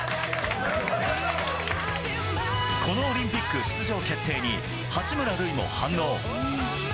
このオリンピック出場決定に、八村塁も反応。